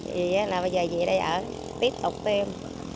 vậy là bây giờ chị ở đây ở tiếp tục tìm